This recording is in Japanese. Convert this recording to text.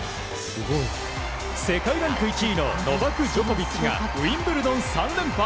世界ランク１位のノバク・ジョコビッチがウィンブルドン３連覇。